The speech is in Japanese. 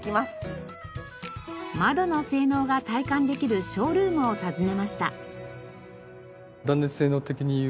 窓の性能が体感できるショールームを訪ねました。